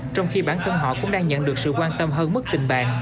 trong khi bản thân họ cũng đang nhận được sự quan tâm hơn mức tình bạn